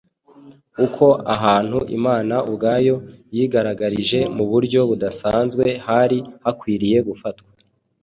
uko ahantu Imana ubwayo yigaragarije mu buryo budasanzwe hari hakwiriye gufatwa.